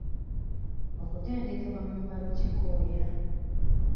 Okutendekebwa mu mpalo kikooya.